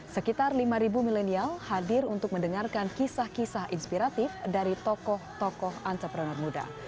sekitar lima milenial hadir untuk mendengarkan kisah kisah inspiratif dari tokoh tokoh entrepreneur muda